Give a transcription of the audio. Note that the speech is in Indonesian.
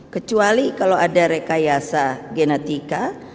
kecuali kalau ada rekayasa genetika